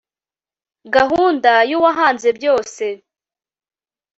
gahunda y'uwahanze byose